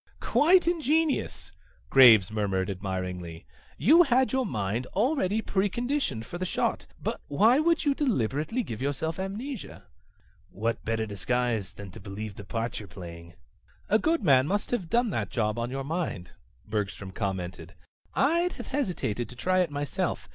"Quite ingenious," Graves murmured admiringly. "You had your mind already preconditioned for the shot. But why would you deliberately give yourself amnesia?" "What better disguise than to believe the part you're playing?" "A good man must have done that job on your mind," Bergstrom commented. "I'd have hesitated to try it myself.